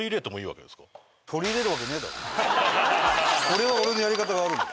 俺は俺のやり方がある。